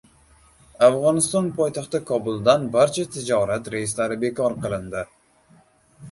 Afg‘oniston poytaxti Kobuldan barcha tijorat reyslari bekor qilindi